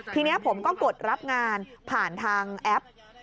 ทีนี้ผมก็กดรับงานผ่านทางแอป